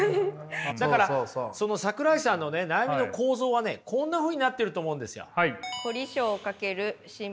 だからその桜井さんの悩みの構造はねこんなふうになってると思うんですよ。